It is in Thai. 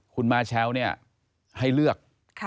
คุณมาแชลเนี่ยให้เลือก